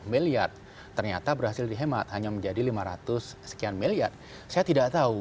miliar ternyata berhasil dihemat hanya menjadi lima ratus sekian miliar saya tidak tahu